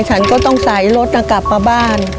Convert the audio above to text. ฉันก็ต้องใส่รถกลับมาบ้าน